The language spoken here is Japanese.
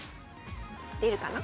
出るかな？